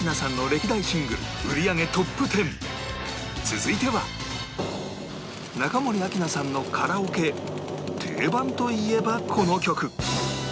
続いては中森明菜さんのカラオケ定番といえばこの曲